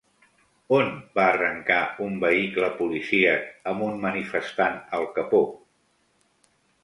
On va arrencar un vehicle policíac amb un manifestant al capó?